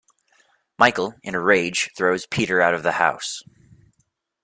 Michael, in a rage, throws Peter out of the house.